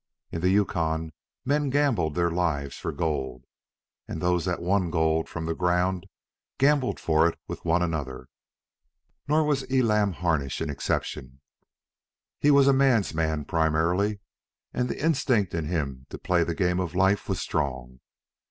In the Yukon men gambled their lives for gold, and those that won gold from the ground gambled for it with one another. Nor was Elam Harnish an exception. He was a man's man primarily, and the instinct in him to play the game of life was strong.